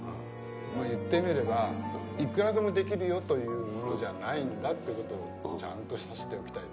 まあ言ってみればいくらでもできるよというものじゃないんだってことをちゃんとさしておきたいっていう。